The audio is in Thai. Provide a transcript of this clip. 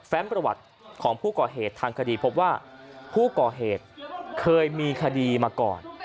ประวัติของผู้ก่อเหตุทางคดีพบว่าผู้ก่อเหตุเคยมีคดีมาก่อน